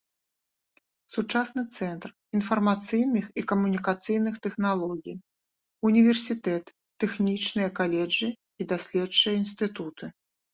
Сучасны цэнтр інфармацыйных і камунікацыйных тэхналогій, універсітэт, тэхнічныя каледжы і даследчыя інстытуты.